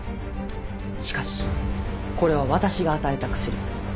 しかしこれは私が与えた薬。